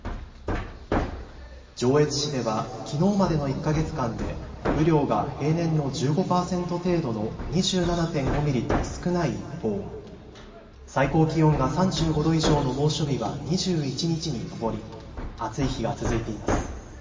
上越市ではきのうまでの１か月間で雨量が平年の１５％程度の２７．５ミリと少ない一方、最高気温が３５度以上の猛暑日は２１日に上り暑い日が続いています。